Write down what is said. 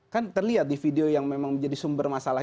kan terlihat di video yang memang menjadi sumber masalah